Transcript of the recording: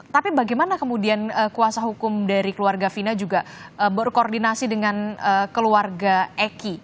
tapi bagaimana kemudian kuasa hukum dari keluarga fina juga berkoordinasi dengan keluarga eki